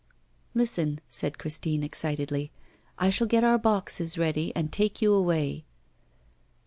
'Listen,' said Christine, excitedly. 'I shall get our boxes ready, and take you away.